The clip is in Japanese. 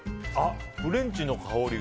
フレンチの香りが。